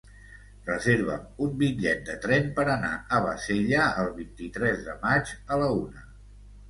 Reserva'm un bitllet de tren per anar a Bassella el vint-i-tres de maig a la una.